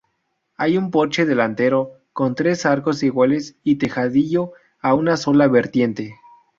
Hay un porche delantero con tres arcos iguales y tejadillo a una sola vertiente.